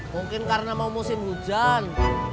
mungkin karena mau musim hujan